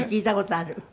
ある？